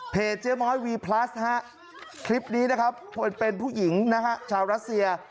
เพจเจ้าหม้อยวีพลัสคลิปนี้นะครับเป็นผู้หญิงชาวรัสเซีย